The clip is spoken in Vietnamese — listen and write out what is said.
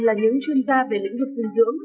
là những chuyên gia về lĩnh vực dinh dưỡng